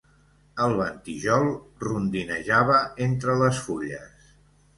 El ventijol rondinejava entre les fulles.